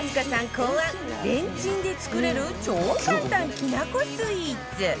考案レンチンで作れる超簡単きなこスイーツ！